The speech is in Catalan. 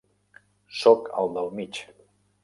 Soc el del mig.